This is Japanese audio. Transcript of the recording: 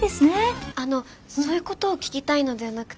あのそういうことを聞きたいのではなくって。